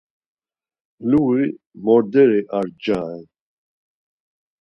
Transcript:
Luği, mordeyi ar nca ren.